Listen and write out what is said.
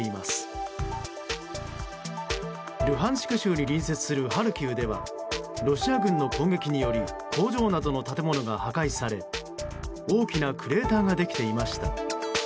州に隣接するハルキウではロシア軍の攻撃により工場などの建物が破壊され大きなクレーターができていました。